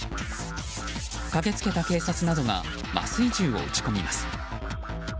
駆け付けた警察などが麻酔銃を撃ち込みます。